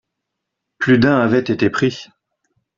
Plus d'un avait été pris.